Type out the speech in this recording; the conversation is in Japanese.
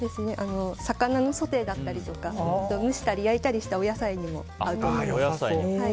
魚のソテーだったり蒸したり焼いたりしたお野菜にも合うと思います。